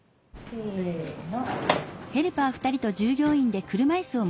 せの。